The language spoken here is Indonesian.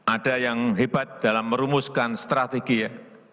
ada yang hebat dalam merumuskan strategi ya